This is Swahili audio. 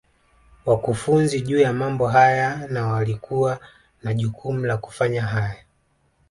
wakufunzi juu ya mambo haya na walikuwa na jukumu la kufanya haya